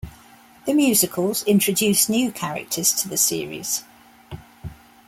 The musicals introduce new characters to the series.